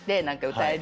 歌える！！